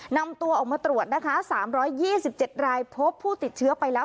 นำตัวออกมาตรวจนะคะ๓๒๗รายพบผู้ติดเชื้อไปแล้ว